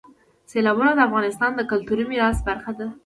سیلابونه د افغانستان د کلتوري میراث برخه ده.